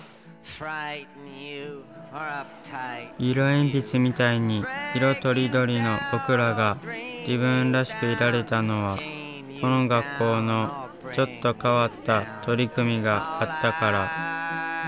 色鉛筆みたいに色とりどりの僕らが自分らしくいられたのはこの学校のちょっと変わった取り組みがあったから。